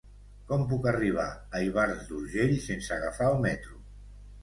Com puc arribar a Ivars d'Urgell sense agafar el metro?